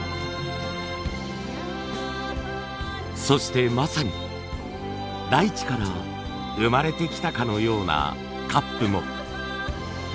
そしてまさに大地から生まれてきたかのようなカップも。